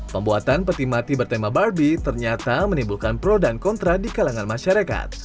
pembuatan peti mati bertema barbie ternyata menimbulkan pro dan kontra di kalangan masyarakat